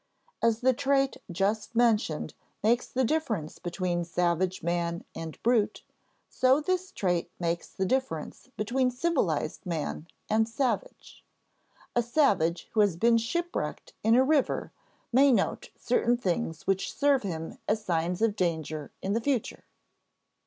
As the trait just mentioned makes the difference between savage man and brute, so this trait makes the difference between civilized man and savage. A savage who has been shipwrecked in a river may note certain things which serve him as signs of danger in the future.